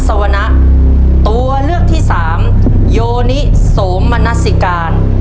ธรรมสวนะตัวเลือกที่๓โยนิโสมนัสสิกาล